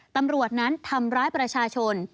ตำรวจนั้นทำร้ายประชาชน